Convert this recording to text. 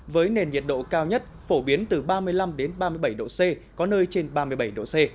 với nền nhiệt độ cao nhất phổ biến từ ba mươi năm ba mươi bảy độ c có nơi trên ba mươi bảy độ c